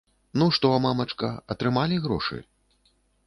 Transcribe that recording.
Ну што, мамачка, атрымалі грошы?